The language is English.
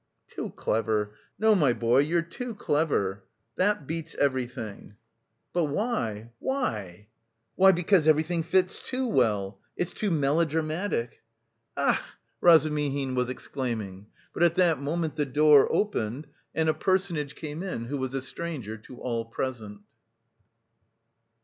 "Too clever! No, my boy, you're too clever. That beats everything." "But, why, why?" "Why, because everything fits too well... it's too melodramatic." "A ach!" Razumihin was exclaiming, but at that moment the door opened and a personage came in who was a stranger to all present.